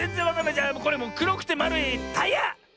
じゃもうくろくてまるいタイヤ！